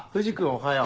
おはよう。